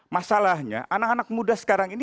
masalahnya anak anak muda sekarang ini